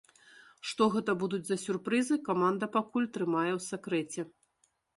Што гэта будуць за сюрпрызы, каманда пакуль трымае ў сакрэце.